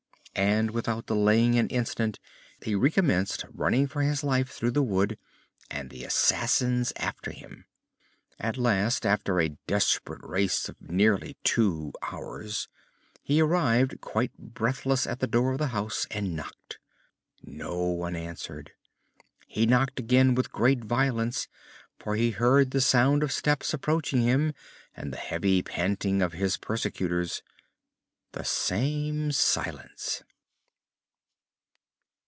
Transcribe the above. And, without delaying an instant, he recommenced running for his life through the wood, and the assassins after him. At last, after a desperate race of nearly two hours, he arrived quite breathless at the door of the house, and knocked. No one answered. He knocked again with great violence, for he heard the sound of steps approaching him and the heavy panting of his persecutors. The same silence.